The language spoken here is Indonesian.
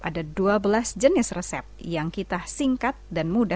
ada dua belas jenis resep yang kita singkat dan mudah